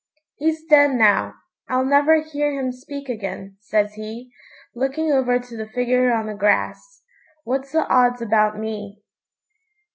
'He's dead now. I'll never hear him speak again,' says he, looking over to the figure on the grass. 'What's the odds about me?'